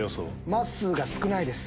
まっすーが少ないです。